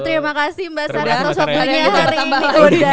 terima kasih mbak sarah sosok dunia hari ini